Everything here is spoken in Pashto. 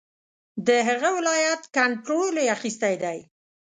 د هغه ولایت کنټرول یې اخیستی دی.